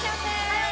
はい！